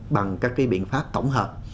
bằng các cái biện pháp tổng hợp